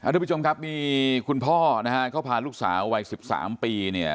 ทุกผู้ชมครับมีคุณพ่อนะฮะเขาพาลูกสาววัย๑๓ปีเนี่ย